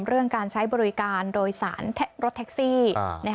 เรื่องการใช้บริการโดยสารรถแท็กซี่